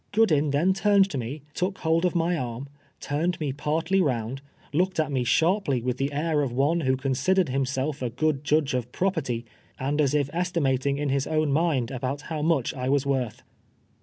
Good in then turned to me, took hold of my arm, turned me partly round, looked at me sharply with the air of one who considered himself a good judge of property, and as if estimating in his own mind about how much I was worth.